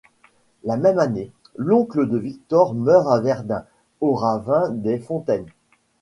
La même année, l'oncle de Victor meurt à Verdun au ravin des fontaines.